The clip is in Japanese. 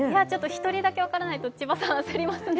１人だけ分からないと焦りますね。